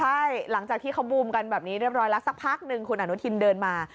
ใช่หลังจากที่เขาบูมกันแบบนี้เรียบร้อยแล้วสักพักหนึ่งคุณอนุทินเดินมา